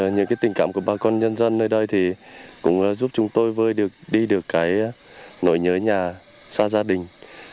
những tình cảm của bà con nhân dân nơi đây cũng giúp chúng tôi vơi được đi được cái nỗi nhớ nhà xa gia đình